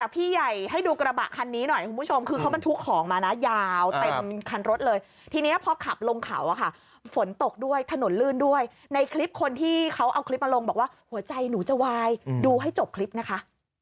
พี่ใหญ่ให้ดูกระบะคันนี้หน่อยคุณผู้ชมคือเขาบรรทุกของมานะยาวเต็มคันรถเลยทีนี้พอขับลงเขาอะค่ะฝนตกด้วยถนนลื่นด้วยในคลิปคนที่เขาเอาคลิปมาลงบอกว่าหัวใจหนูจะวายดูให้จบคลิปนะคะ